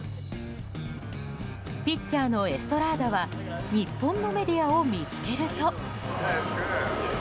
ピッチャーのエストラーダは日本のメディアを見つけると。